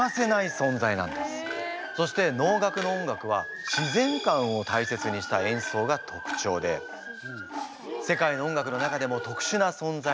そして能楽の音楽は自然観を大切にした演奏が特徴で世界の音楽の中でも特殊なそんざいといわれております。